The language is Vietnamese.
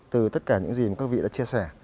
từ tất cả những gì mà các vị đã chia sẻ